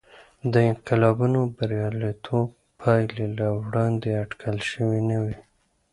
د انقلابینو بریالیتوب پایلې له وړاندې اټکل شوې نه وې.